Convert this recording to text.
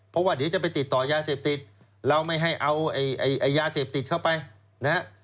เพราะว่าเดี๋ยวจะไปติดต่อยาเสพติดเราไม่ให้เอาไอ้ยาเสพติดเข้าไปนะฮะ